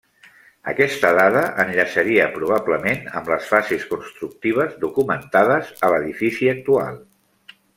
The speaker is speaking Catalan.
Aquesta dada enllaçaria, probablement, amb les fases constructives documentades a l'edifici actual.